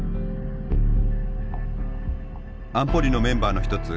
安保理のメンバーの一つ